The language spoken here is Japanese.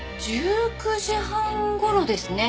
１９時半頃ですね。